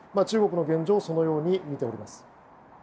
中国の現状をそのようにみております。